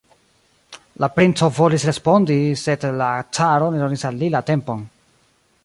La princo volis respondi, sed la caro ne donis al li la tempon.